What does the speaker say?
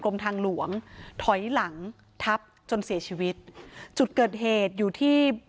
ทางหลวงถอยหลังทับจนเสียชีวิตจุดเกิดเหตุอยู่ที่